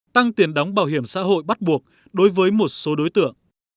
tăng tiền đóng bảo hiểm xã hội bắt buộc đối với một số đối tượng